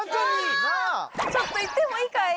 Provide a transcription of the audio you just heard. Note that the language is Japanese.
ちょっと言ってもいいかい？